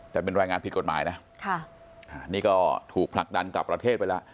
แต่เป็นรายงานผิดกฎหมายนะนี่ก็ถูกผลักดันกลับประเทศไปแล้ว